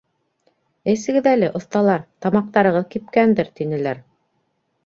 — Эсегеҙ әле, оҫталар, тамаҡтарығыҙ кипкәндер, — тинеләр.